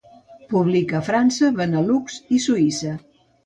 Publica a França, Benelux i Suïssa.